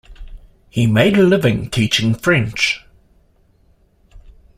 He made a living teaching French.